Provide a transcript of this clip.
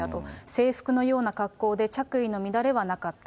制服のような格好で着衣の乱れはなかった。